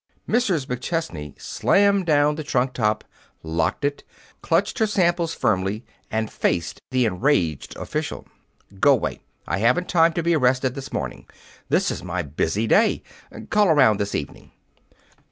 Mrs. McChesney slammed down the trunk top, locked it, clutched her samples firmly, and faced the enraged official. "Go 'way! I haven't time to be arrested this morning. This is my busy day. Call around this evening."